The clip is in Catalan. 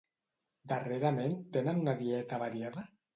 Darrerament tenen una dieta variada?